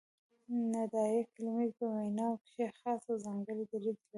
ندائیه کلیمې په ویناوو کښي خاص او ځانګړی دریځ لري.